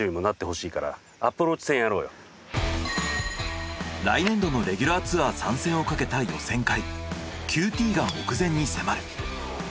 今日は一緒にさ来年度のレギュラーツアー参戦をかけた予選会ＱＴが目前に迫る。